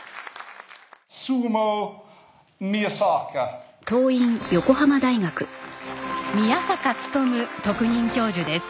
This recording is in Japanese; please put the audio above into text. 宮坂力特任教授です。